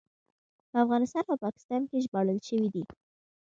په افغانستان او پاکستان کې ژباړل شوی دی.